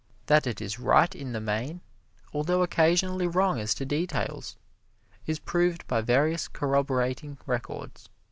That it is right in the main, although occasionally wrong as to details, is proved by various corroborating records.